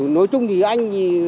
nói chung thì anh